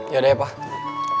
yaudah ya pak